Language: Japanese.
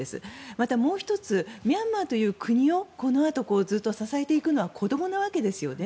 また、もう１つミャンマーという国をこのあとずっと支えていくのは子どもなわけですよね。